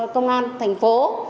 công an thành phố